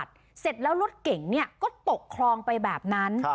เสร็จแล้วรถเก่งเนี่ยก็ตกคลองพี่แบบนั้น